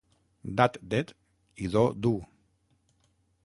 Dat d'Ed i do d'U.